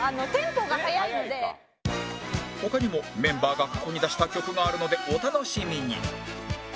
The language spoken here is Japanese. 他にもメンバーが過去に出した曲があるのでお楽しみに